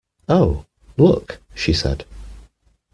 "Oh, look," she said.